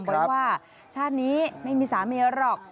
บอกว่าชาตินี้ไม่มีสามีแล้วหรอก